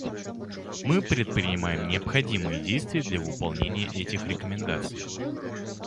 Мы предпринимаем необходимые действия для выполнения этих рекомендаций.